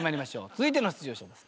続いての出場者です。